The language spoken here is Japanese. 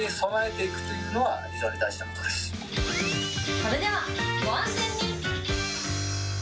それでは、ご安全に。